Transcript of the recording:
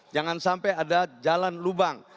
jangan sampai ada jalan lubang